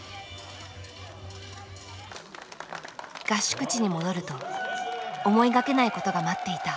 合宿地に戻ると思いがけないことが待っていた。